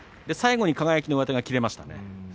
最後に輝の上手が切れましたね。